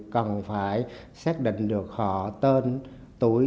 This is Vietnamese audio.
cần phải xác định được họ tên tuổi